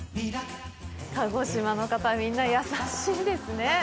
鹿児島の方みんな優しいですね。